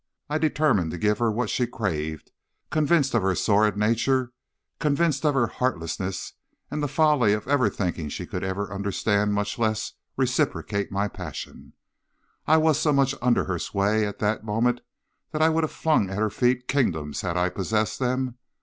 I determined to give her what she craved; convinced of her sordid nature, convinced of her heartlessness and the folly of ever thinking she could even understand, much less reciprocate my passion, I was so much under her sway at that moment that I would have flung at her feet kingdoms had I possessed them.